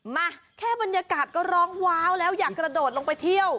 มาแค่บรรยากาศก็ร้องว้าวแล้วอยากกระโดดลงไปเที่ยว